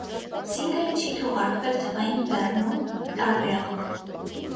Սինգլը չի թողարկվել «թվային բեռնում» տարբերակով։